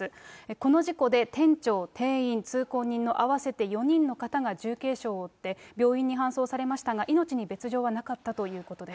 この事故で店長、店員、通行人の合わせて４人の方が重軽傷を負って、病院に搬送されましたが、命に別状はなかったということです。